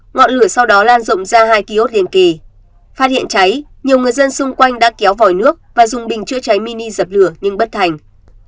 ngọn lửa sau đó lan rộng ra hai kiosk liên kỳ phát hiện cháy nhiều người dân xung quanh đã kéo vòi nước và dùng bình chữa cháy mini dập lửa nhưng bất thành